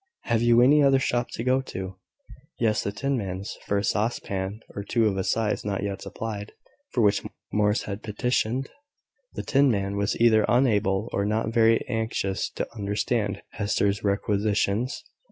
Have you any other shop to go to?" Yes, the tinman's, for a saucepan or two of a size not yet supplied, for which Morris had petitioned. The tinman was either unable or not very anxious to understand Hester's requisitions.